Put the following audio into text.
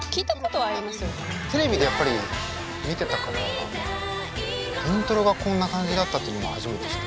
テレビでやっぱり見てたからイントロがこんな感じだったっていうのも今初めて知った。